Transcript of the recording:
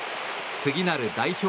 次なる代表